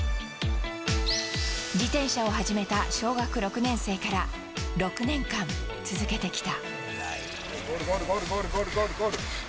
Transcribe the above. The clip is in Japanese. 自転車を始めた小学６年生から６年間続けてきた。